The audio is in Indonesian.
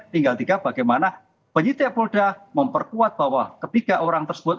tinggal tiga bagaimana penyelidikan yang sudah memperkuat bahwa ketiga orang tersebut